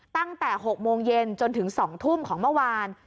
ตั้งแต่๖โมงเย็นจนถึง๒ทุ่มของเมื่อวาน